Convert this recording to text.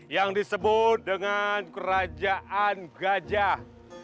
yang disebut dengan kerajaan gajah